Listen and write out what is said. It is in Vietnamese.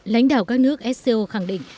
lãnh đạo các nước sco khẳng định